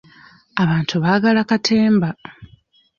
Abantu baagala katemba.